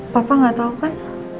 papa gak tau kan